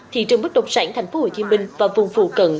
thị trường bất động sản thành phố hồ chí minh và vùng phù cận